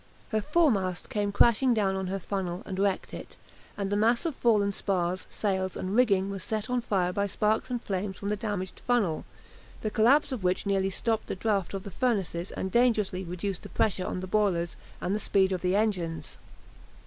Her foremast came crashing down on her funnel, and wrecked it, and the mass of fallen spars, sails, and rigging was set on fire by sparks and flame from the damaged funnel, the collapse of which nearly stopped the draught of the furnaces and dangerously reduced the pressure on the boilers and the speed of the engines.